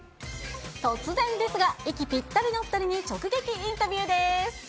突然ですが、息ぴったりの２人に直撃インタビューです。